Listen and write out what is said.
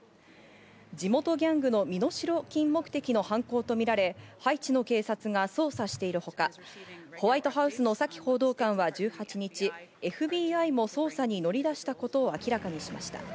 地元ギャングの身代金目的の犯行とみられ、ハイチの警察が捜査しているほか、ホワイトハウスのサキ報道官は１８日、ＦＢＩも捜査に乗り出したことを明らかにしました。